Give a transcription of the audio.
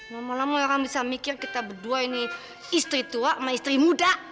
lama lama orang bisa mikir kita berdua ini istri tua sama istri muda